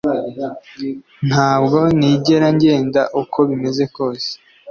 ntabwo nigera ngenda uko bimeze kose